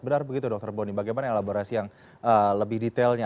benar begitu dr bonny bagaimana elaborasi yang lebih detailnya